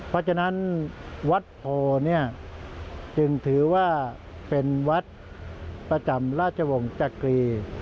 เพราะฉะนั้นวัดโพเนี่ยจึงถือว่าเป็นวัดประจำราชวงศ์จักรี